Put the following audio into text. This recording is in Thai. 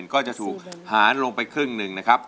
ก็จะถูกหารลงไปครึ่งหนึ่งนะครับ